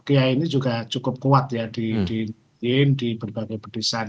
kiai ini juga cukup kuat ya di berbagai pedesaan